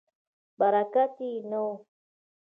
برکت یې نه و.